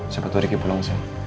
siapa tuh riki pulang sih